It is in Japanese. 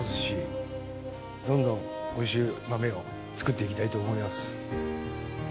どんどんおいしい豆を作っていきたいと思います。